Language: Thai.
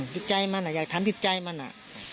ติดใจมันอ่ะอยากถามติดใจมันอ่ะ